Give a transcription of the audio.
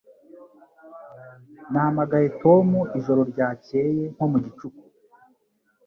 Nahamagaye Tom ijoro ryakeye nko mu gicuku